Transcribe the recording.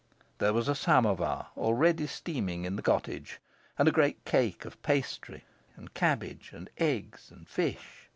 There was a samovar already steaming in the cottage, and a great cake of pastry, and cabbage and egg and fish.